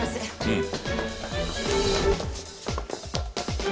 うん。